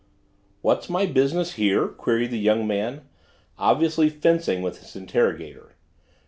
"What's my business here?" queried the young man, obviously fencing with his interrogator.